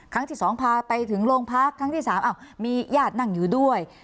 ครั้งที่สองพาไปถึงโรงพักษณ์ครั้งที่สามอ้าวมีญาตินั่งอยู่ด้วย